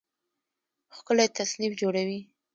ښکلی تصنیف جوړوي